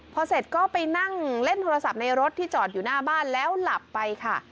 พอเสร็จก็ไปนั่งเล่นโทรศัพท์ในรถที่จอดอยู่หน้าบ้านแล้วหลับไปค่ะ